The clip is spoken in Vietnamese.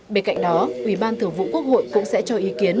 bên cạnh đó ubthqh cũng sẽ cho ý kiến